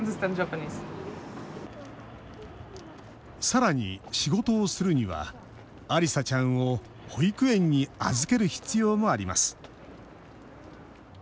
さらに、仕事をするにはアリサちゃんを保育園に預ける必要もあります。